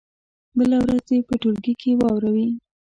بله ورځ دې یې په ټولګي کې واوروي.